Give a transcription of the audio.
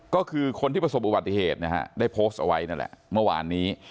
ก็คือคนที่ประสบอุบัติเหตุนะฮะได้โพสต์เอาไว้นั่นแหละเมื่อวานนี้